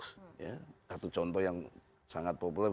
satu contoh yang sangat populer